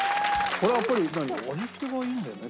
これはやっぱり味付けがいいんだよね？